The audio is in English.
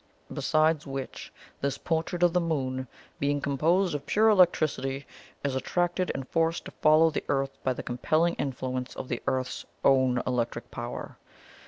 Besides which, this portrait of the moon being composed of pure electricity, is attracted and forced to follow the Earth by the compelling influence of the Earth's own electric power.